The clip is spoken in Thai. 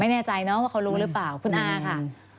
ไม่แน่ใจเนอะว่าเขารู้หรือเปล่าคุณอาค่ะ